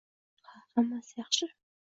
Ha hammasi yaxshi.